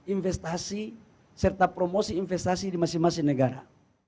investasi serta promosi investasi di masing masing negara